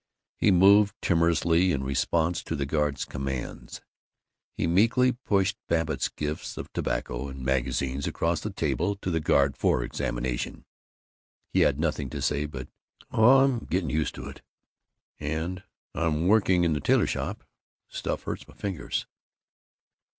He moved timorously in response to the guard's commands; he meekly pushed Babbitt's gifts of tobacco and magazines across the table to the guard for examination. He had nothing to say but "Oh, I'm getting used to it" and "I'm working in the tailor shop; the stuff hurts my fingers."